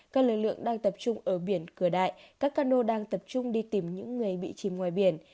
các lực lượng đang tập trung ở biển cửa đại các cano đang tập trung đi tìm những người bị chìm ngoài biển